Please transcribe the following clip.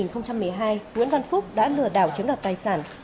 nguyễn văn phúc đã lừa đảo chiếm đoạt tài sản